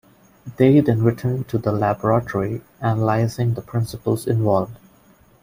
They then returned to the laboratory, analyzing the principles involved.